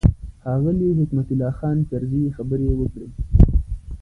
ښاغلي حکمت الله خان کرزي خبرې وکړې.